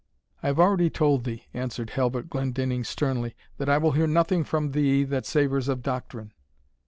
"I have already told thee," answered Halbert Glendinning, sternly, "that I will hear nothing from thee that savours of doctrine."